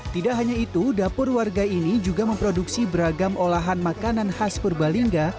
tidak hanya itu dapur warga ini juga memproduksi beragam olahan makanan khas purbalingga